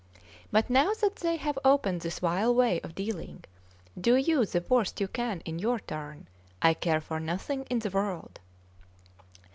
But now that they have opened this vile way of dealing, do you the worst you can in your turn; I care for nothing in the world."